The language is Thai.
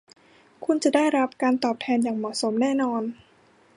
คุณจะได้รับการตอบแทนอย่างเหมาะสมแน่นอน